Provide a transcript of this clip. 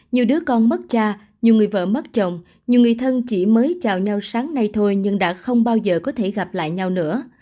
nhiều đứa con mất cha nhiều người vợ mất chồng nhiều người thân chỉ mới chào neo sáng nay thôi nhưng đã không bao giờ có thể gặp lại nhau nữa